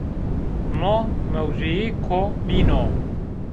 No mewzûyêko bîn o